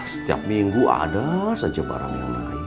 setiap minggu ada saja barang yang naik